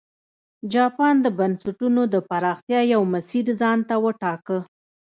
جاپان د بنسټونو د پراختیا یو مسیر ځان ته وټاکه.